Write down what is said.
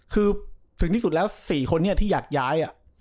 คือถึงที่สุดแล้ว๔คนนี้ที่อยากย้าย